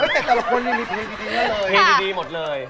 เสมอเพลงดูดราครอจ